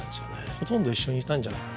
ほとんど一緒にいたんじゃないかな。